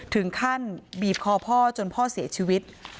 ถึงขั้นบีบคอพ่อจนพ่อเสียชีวิต